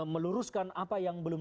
meluruskan apa yang belum